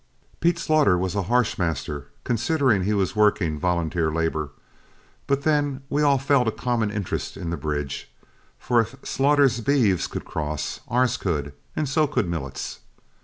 Pete Slaughter was a harsh master, considering he was working volunteer labor; but then we all felt a common interest in the bridge, for if Slaughter's beeves could cross, ours could, and so could Millet's.